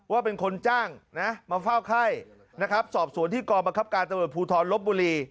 ว่าเป็นคนจ้างนะมาเฝ้าไข้นะครับสอบสวนที่กรบังคับการตำรวจภูทรลบบุรี